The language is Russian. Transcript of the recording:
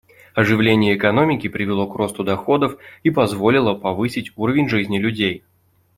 Оживление экономики привело к росту доходов и позволило повысить уровень жизни людей.